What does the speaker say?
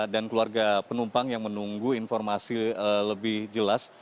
dan keluarga penumpang yang menunggu informasi lebih jelas